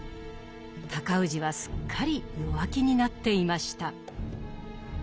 尊氏はすっかり弱気になっていました。